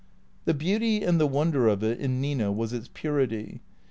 The beauty and the wonder of it — in Nina — was its puritv.